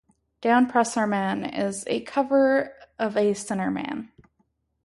"Downpressor Man" is a cover of a "Sinner Man.